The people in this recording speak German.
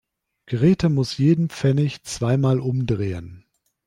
Grete muss jeden Pfennig zweimal umdrehen.